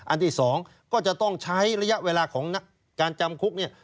อันที่สองก็จะต้องใช้ระยะเวลาของการจำคุก